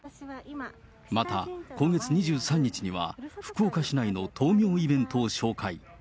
また、今月２３日には福岡市内の灯明イベントを紹介。